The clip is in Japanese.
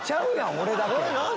俺だけ。